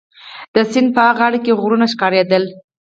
د سیند په ها غاړه کي غرونه ښکارېدل.